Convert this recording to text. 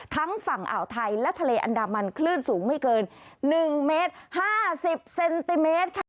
ทั้งฝั่งอ่าวไทยและทะเลอันดามันคลื่นสูงไม่เกิน๑เมตร๕๐เซนติเมตรค่ะ